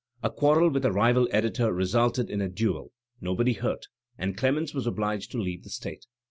A quarrel with a rival editor resulted in a duel (nobody hurt), and Clemens was obliged to leave the state.